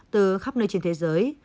từ khắp nơi trên thế giới